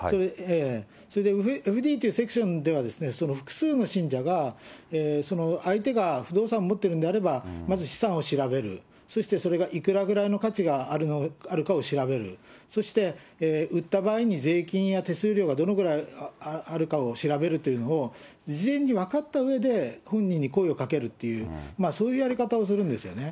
それでＦＤというセクションでは、複数の信者が相手が不動産を持っているんであれば、まず資産を調べる、そしてそれがいくらぐらいの価値があるかを調べる、そして売った場合に税金や手数料がどれぐらいあるかを調べるというのを、事前に分かったうえで、本人に声をかけるっていう、そういうやり方をするんですよね。